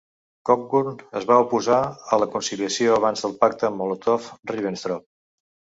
Cockburn es va oposar a la conciliació abans del Pacte Molotov-Ribbentrop.